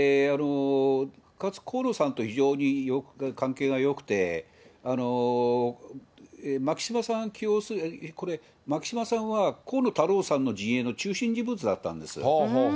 かつ河野さんと非常に関係がよくて、牧島さん起用する、牧島さんは河野太郎さんの陣営の中心人物だったんです。